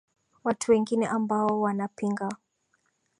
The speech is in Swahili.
watu wengine ambao wanapinga